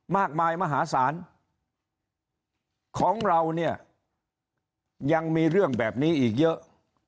มากมายมหาศาลของเราเนี่ยยังมีเรื่องแบบนี้อีกเยอะ